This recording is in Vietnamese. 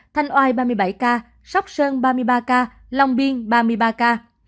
thanh oai ba mươi bảy ca sóc sơn ba mươi ba ca long biên ba mươi ba ca